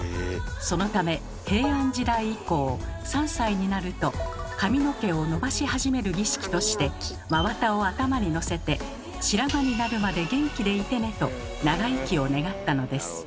そのため平安時代以降３歳になると髪の毛をのばし始める儀式として真綿を頭にのせてと長生きを願ったのです。